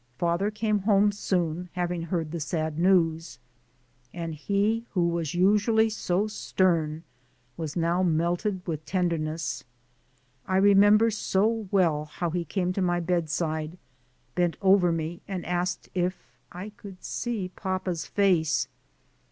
Father came home soon, having heard the sad news. And he who was usually so stern was now melted with tenderness. I remember so well how he came to my bedside, bent over me and asked if I could see "papa's face."